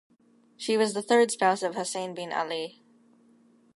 She was the third spouse of Hussein bin Ali.